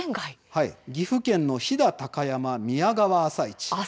岐阜県の「飛騨高山宮川朝市」